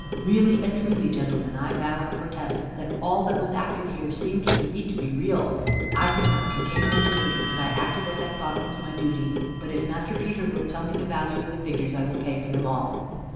Really and truly gentlemen, I vow and protest that all that was acted here seemed to me to be real. I could not contain my fury, and I acted as I thought was my duty. But if Master Peter will tell me the value of the figures, I will pay for them all."